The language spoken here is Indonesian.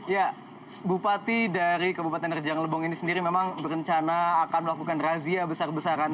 ya bupati dari kabupaten rejang lebong ini sendiri memang berencana akan melakukan razia besar besaran